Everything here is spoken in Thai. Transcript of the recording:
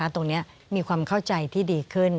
ตรงนี้มีความเข้าใจที่ดีขึ้น